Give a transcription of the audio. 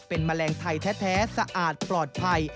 เป็นแมลงไทยแท้สะอาดปลอดภัย